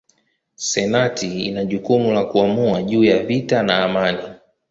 Senati ina jukumu la kuamua juu ya vita na amani.